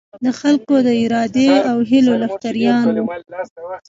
د خلکو د ارادې او هیلو لښکریان وو.